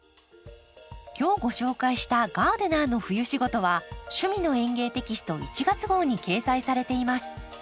今日ご紹介した「ガーデナーの冬仕事」は「趣味の園芸」テキスト１月号に掲載されています。